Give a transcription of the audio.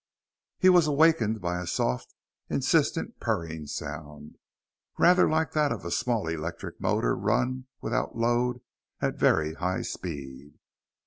He was awakened by a soft, insistent purring sound, rather like that of a small electric motor run without load at very high speed.